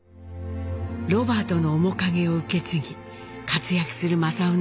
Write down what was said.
ロバートの面影を受け継ぎ活躍する正雄の姿。